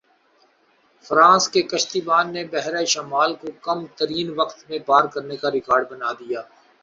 France کے کشتی بان نے بحیرہ شمال کو کم ترین وقت میں پار کرنے کا ریکارڈ بنا دیا